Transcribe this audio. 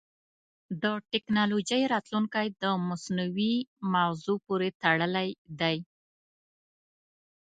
د ټکنالوجۍ راتلونکی د مصنوعي مغزو پورې تړلی دی.